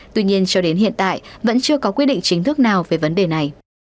tuy nhiên cho đến hiện tại vẫn chưa có quy định chính thức nào về vấn đề này